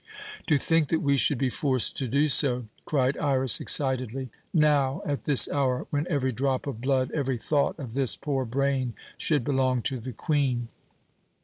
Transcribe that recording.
"To think that we should be forced to do so!" cried Iras excitedly "now, at this hour, when every drop of blood, every thought of this poor brain should belong to the Queen!